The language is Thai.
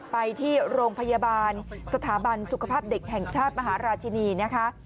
ไปที่โรงพยาบาลสถาบันสุขภาพเด็กแห่งชาติมหาราชินีนะคะ